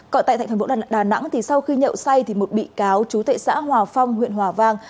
còn tại thành phố đà nẵng thì sau khi nhậu say thì một bị cáo trú tại xã hòa phong huyện hòa vang